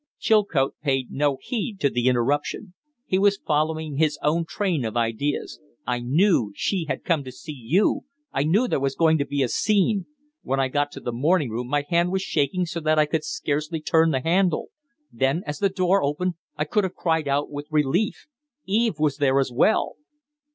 Chilcote paid no heed to the interruption. He was following his own train of ideas. "I knew she had come to see you I knew there was going to be a scene. When I got to the morning room my hand was shaking so that I could scarcely turn the handle; then, as the door opened, I could have cried out with relief. Eve was there as well!"